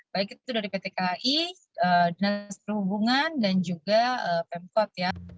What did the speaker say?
baik itu dari pt kai dinas perhubungan dan juga pemkot ya